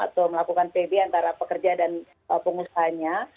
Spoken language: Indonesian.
atau melakukan pb antara pekerja dan pengusahanya